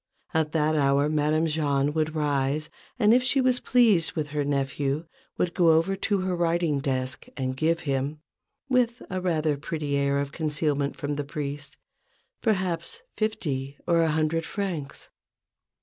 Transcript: At that hour Madame Jahn would rise, and, if she was pleased with her nephew, would go over to her writing desk and give him, with a rather pretty air of concealment from the priest, perhaps fifty or a hundred francs.